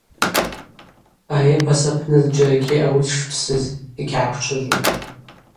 Аэпос апны зджьарагьи ауи дшпсыз йгьгӏаквчважвум.